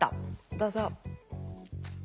どうぞ。